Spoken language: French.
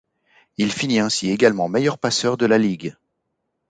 Il finit ainsi également meilleur passeur de la ligue.